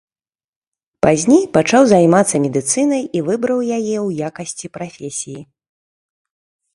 Пазней пачаў займацца медыцынай і выбраў яе ў якасці прафесіі.